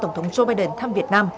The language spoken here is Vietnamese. và tổng thống joe biden thăm việt nam